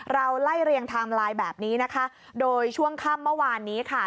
ไล่เรียงไทม์ไลน์แบบนี้นะคะโดยช่วงค่ำเมื่อวานนี้ค่ะ